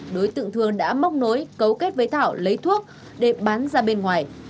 đối tượng thường đã móc nối cấu kết với thảo lấy thuốc để bán ra bên ngoài